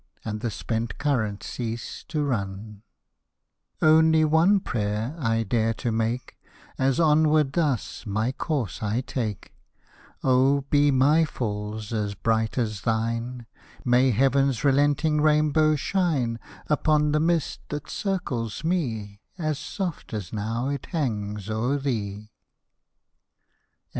And the spent current cease to run. Hosted by Google A CANADIAN BOAT SONG k One only prayer I dare to make, As onward thus my course I take ;— Oh, be my falls as bright as thine 1 May heaven's relenting rainbow shine Upon the mist that circles me, As soft as now it hangs o'er thee !